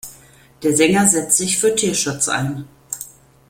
Der Sänger setzt sich für Tierschutz ein.